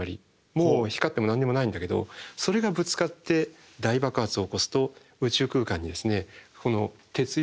もう光っても何にもないんだけどそれがぶつかって大爆発を起こすと宇宙空間に鉄以上の元素をまき散らした。